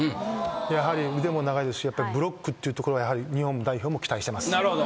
やはり腕も長いですしブロックというところは日本代表も期待してます。